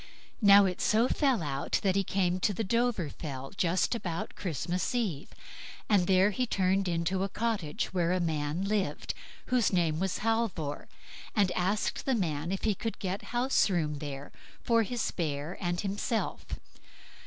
Now, it so fell out, that he came to the Dovrefell just about Christmas Eve, and there he turned into a cottage where a man lived, whose name was Halvor, and asked the man if he could get house room there, for his bear and himself.